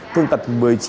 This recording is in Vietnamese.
thương tật một mươi chín